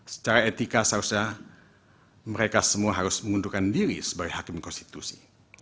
secara etika seharusnya mereka semua harus mengundurkan diri sebagai hakim konstitusi